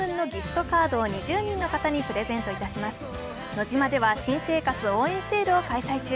ノジマでは新生活応援セールを開催中。